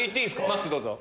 まっすーどうぞ。